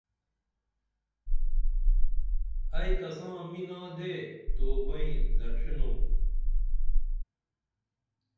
ائی کساں منا دے توبئیں دڇھینُم